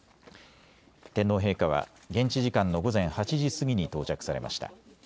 天皇陛下は現地時間の午前８時過ぎに到着されました。